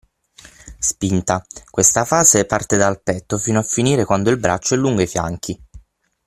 Spinta: Questa fase parte dal petto fino a finire quando il braccio è lungo i fianchi.